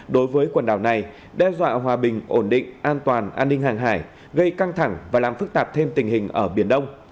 đối với quần đảo này đe dọa hòa bình ổn định an toàn an ninh hàng hải gây căng thẳng và làm phức tạp thêm tình hình ở biển đông